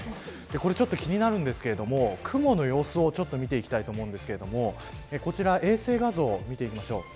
これちょっと気になるんですけど雲の様子を見ていきたいと思いますがこちら、衛星画像を見ていきましょう。